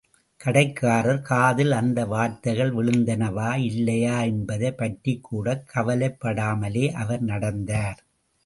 கடைக்காரர் காதில் அந்த வார்த்தைகள் விழுந்தனவா இல்லையா என்பதைப் பற்றிக் கூடக் கவலைப்படாமலே அவர் நடந்தார்.